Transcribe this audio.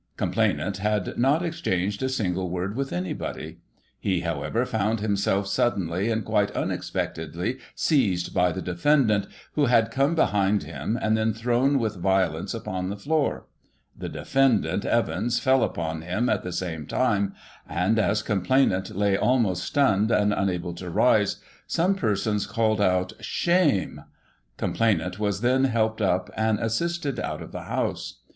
" Complainant had not exchanged a single word with anybody; he, however, found himself suddenly and quite unexpectedly seized by the defendant, who had come behind him, and then thrown with violence upon the floor; the defendant Evans fell upon him at the same time ; and, as complainant lay almost stunned and unable to rise, some persons called out " Shame !" Com plainant was then helped up and assisted out of the house.